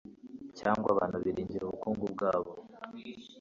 cyangwa abantu biringira ubukungu bwabo